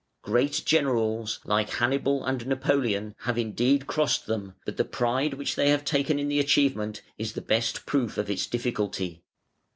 Great generals, like Hannibal and Napoleon, have indeed crossed them, but the pride which they have taken in the achievement is the best proof of its difficulty.